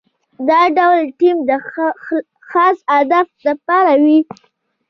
دا ډول ټیم د خاص هدف لپاره وي.